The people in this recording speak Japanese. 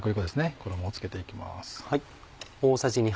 衣を付けていきます。